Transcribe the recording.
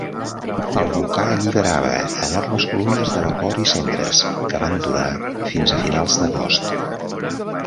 El volcà alliberava enormes columnes de vapor i cendres que van durar fins a finals d'agost.